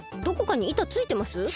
どこかに板ついてます？